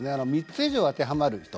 ３つ以上当てはまる人